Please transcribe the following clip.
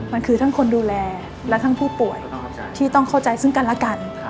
มันคือทั้งคนดูแลและทั้งผู้ป่วยที่ต้องเข้าใจซึ่งกันและกัน